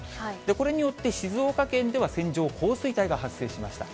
これによって、静岡県では線状降水帯が発生しました。